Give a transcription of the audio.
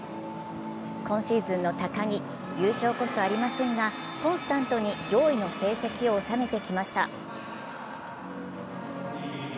今シーズンの高木、優勝こそありませんが、コンスタントに上位の成績を収めてきました。